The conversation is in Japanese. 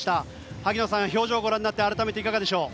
萩野さん、表情をご覧になって改めていかがでしょう？